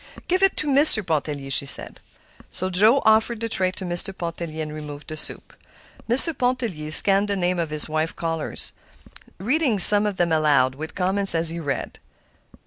"Give it to Mr. Pontellier," she said. Joe offered the tray to Mr. Pontellier, and removed the soup. Mr. Pontellier scanned the names of his wife's callers, reading some of them aloud, with comments as he read.